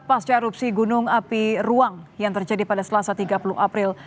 pasca erupsi gunung api ruang yang terjadi pada selasa tiga puluh april